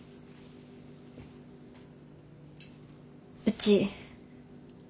うち。